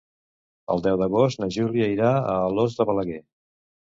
El deu d'agost na Júlia irà a Alòs de Balaguer.